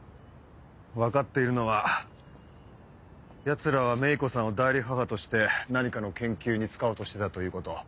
分かっているのはヤツらは芽衣子さんを代理母として何かの研究に使おうとしてたということ。